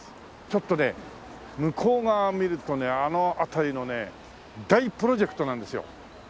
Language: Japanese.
ちょっとね向こう側を見るとねあの辺りのね大プロジェクトなんですよ。